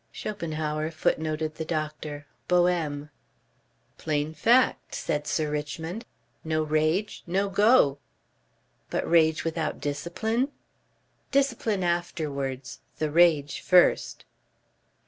"Schopenhauer," footnoted the doctor. "Boehme." "Plain fact," said Sir Richmond. "No Rage no Go." "But rage without discipline?" "Discipline afterwards. The rage first."